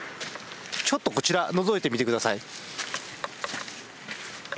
ちょっとこちらのぞいてみて下さい。